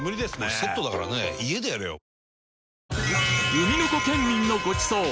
海の子県民のごちそう